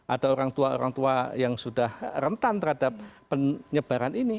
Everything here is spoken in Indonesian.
ada orang tua orang tua yang sudah rentan terhadap penyebaran ini